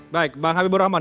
baik bang habibur rahman